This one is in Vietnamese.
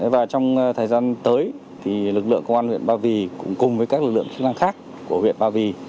và trong thời gian tới lực lượng công an huyện ba vì cùng với các lực lượng chức năng khác của huyện ba vì